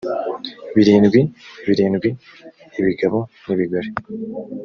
birindwi birindwi ibigabo n ibigore